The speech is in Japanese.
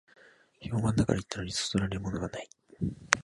評判だから行ったのに、そそられるものがない